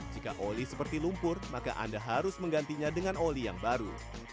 jika oli seperti lumpur maka anda harus menggantinya dengan oli yang baru